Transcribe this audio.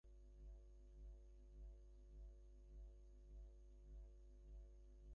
আর এদিকে আমি ভাবছি সে মনে হয় কোন ধনী মেয়েকে বিয়ে করতে চায়!